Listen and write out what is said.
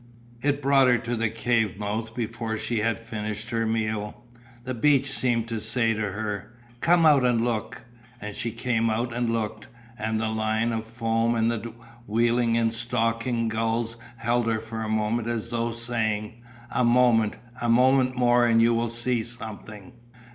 It brought her to the cave mouth before she had finished her meal. The beach seemed to say to her: "Come out and look!" and she came out and looked, and the line of foam and the wheeling or stalking gulls held her for a moment as though saying a moment, a moment more and you will see something.